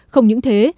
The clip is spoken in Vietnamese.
không những thế